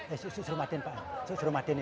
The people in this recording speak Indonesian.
eh susur surumatin pak susur surumatin ini